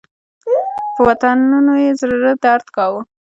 په وطنونو یې زړه درد کاوه.